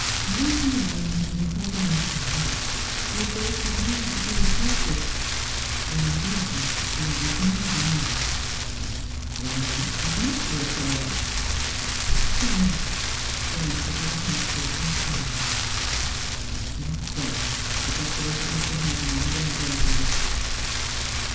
Morton and I have made up our minds about that. We are both resigned to being parted. There are reasons why we can never marry.' ' Then that is not your sorrow V ' No ' she answered with a heart breaking sigh. ' Thank God,' ejaculated Mr. Haldimond in a low voice.